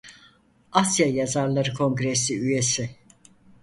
Asya Yazarları Kongresi Üyesi.